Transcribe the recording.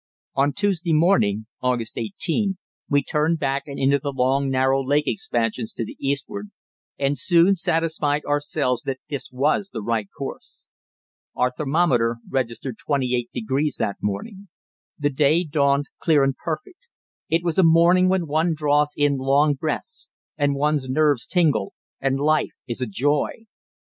On Tuesday morning (August 18) we turned back and into the long, narrow lake expansions to the eastward, and soon satisfied ourselves that this was the right course. Our thermometer registered 28 degrees that morning. The day dawned clear and perfect; it was a morning when one draws in long breaths, and one's nerves tingle, and life is a joy.